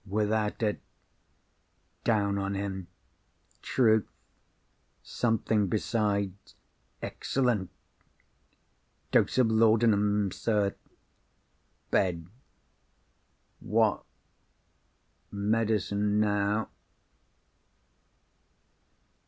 without it ... down on him ... truth ... something besides ... excellent ... dose of laudanum, sir ... bed ... what ... medicine now."